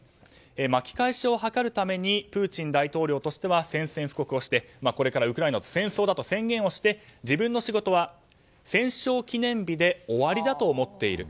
巻き返しをはかるためにプーチン大統領としては宣戦布告をしてこれからウクライナと戦争だと宣言をして自分の仕事は、戦勝記念日で終わりだと思っている。